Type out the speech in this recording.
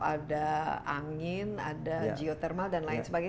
ada angin ada geotermal dan lain sebagainya